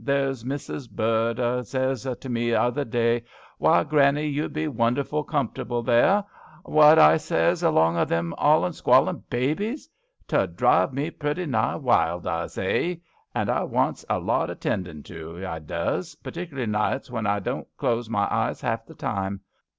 There's Mussis Bird a zays to me t'other day :* Why, Granny, you'd be wonderful comfortable there/ *What,' I says, * along o' all them squallin' babbies? T'ud drive me pretty nigh wild,' I zays. And I wants a lot o' tendin' to, I does, particlar' nights, when I doant close my eyes 'alf the time.